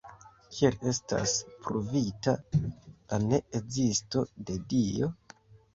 Kiel estas ‘pruvita’ la ne-ezisto de Dio?